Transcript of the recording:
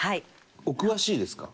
お詳しいですか？